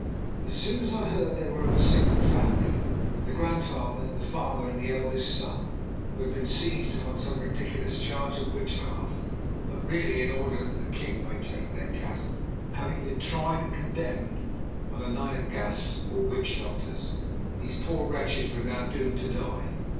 As I soon heard, they were of a single family, the grandfather, the father, and the eldest son, who had been seized upon some ridiculous charge of witchcraft, but really in order that the king might take their cattle. Having been tried and condemned by the Nyangas, or witch doctors, these poor wretches were now doomed to die.